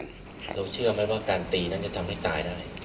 เราเชื่อไหมว่าการตีนั้นจะทำให้ตายได้